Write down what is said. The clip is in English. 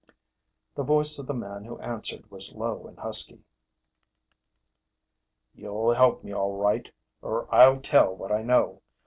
The voice of the man who answered was low and husky. "You'll help me all right, or I'll tell what I know!